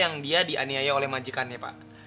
yang dia dianiaya oleh majikannya pak